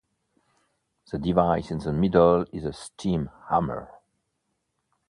The device in the middle is a steam hammer.